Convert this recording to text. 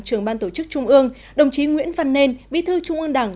trưởng ban tổ chức trung ương đồng chí nguyễn văn nên bí thư trung ương đảng